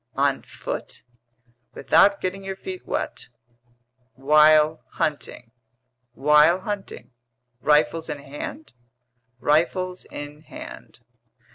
"On foot?" "Without getting your feet wet." "While hunting?" "While hunting." "Rifles in hand?" "Rifles in hand."